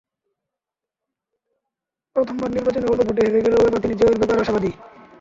প্রথমবার নির্বাচনে অল্প ভোটে হেরে গেলেও এবার তিনি জয়ের ব্যাপারে আশাবাদী।